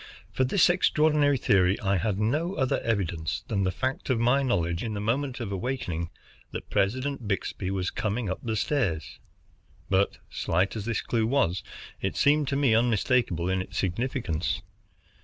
For this extraordinary theory I had no other evidence than the fact of my knowledge in the moment of awaking that President Byxbee was coming up the stairs. But slight as this clue was, it seemed to me unmistakable in its significance.